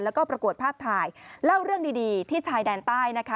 แล้วก็ประกวดภาพถ่ายเล่าเรื่องดีที่ชายแดนใต้นะคะ